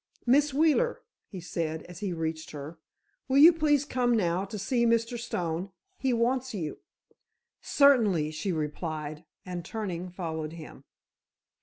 "Miss Wheeler," he said, as he reached her, "will you please come now to see Mr. Stone? He wants you." "Certainly," she replied, and turning, followed him.